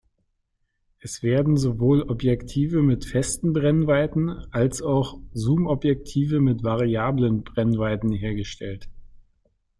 Es werden sowohl Objektive mit festen Brennweiten als auch Zoomobjektive mit variablen Brennweiten hergestellt.